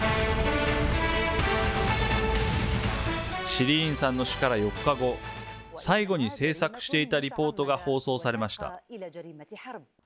シリーンさんの死から４日後、最後に制作していたリポートが放送されました。